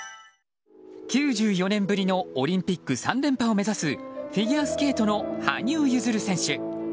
９４年ぶりのオリンピック３連覇を目指すフィギュアスケートの羽生結弦選手。